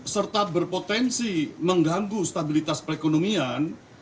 serta berpotensi mengganggu stabilitas perekonomian